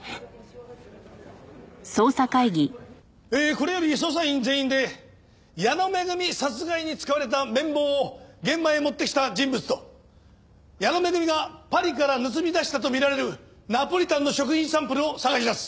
これより捜査員全員で矢野恵殺害に使われた麺棒を現場へ持ってきた人物と矢野恵がパリから盗み出したとみられるナポリタンの食品サンプルを捜し出す。